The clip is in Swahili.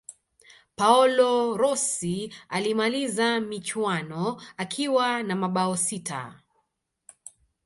paolo rossi alimaliza michuano akiwa na mabao sita